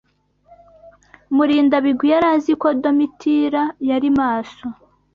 Murindabigwi yari azi ko Domitira yari maso.